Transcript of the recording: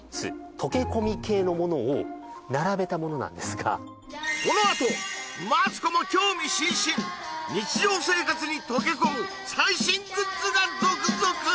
溶け込み系のものを並べたものなんですがこのあとマツコも興味津々日常生活に溶け込む最新グッズが続々！